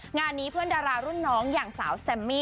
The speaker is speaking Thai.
งานนี้เพื่อนดารารุ่นน้องอย่างสาวแซมมี่